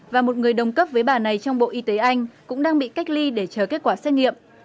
và một người đồng cấp với bà này trong bộ y tế anh cũng đang bị cách ly để chờ kết quả xét nghiệm